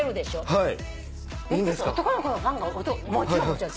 はい。